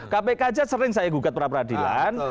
kpkj sering saya gugat peradilan